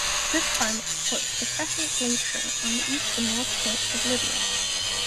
This climate supports the Crescent Glacier on the east and north slopes of Lydia.